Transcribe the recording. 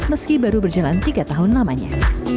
meski baru berjalan tiga tahun lamanya